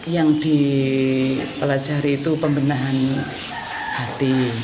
yang dipelajari itu pembenahan hati